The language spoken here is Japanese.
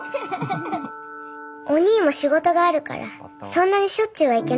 おにぃも仕事があるからそんなにしょっちゅうは行けなくなって。